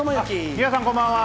皆さん、こんばんは。